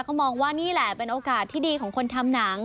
ก็มองว่านี่แหละเป็นโอกาสที่ดีของคนทำหนัง